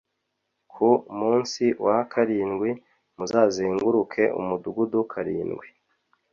Ku munsi wa karindwi muzazenguruke umudugudu karindwi